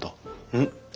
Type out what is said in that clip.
うん？